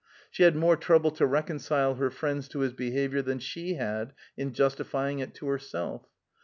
She had more trouble to reconcile her friends to his behavior than she had in justifying it to herself.